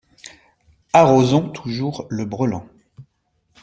Arrosons toujours le brelan !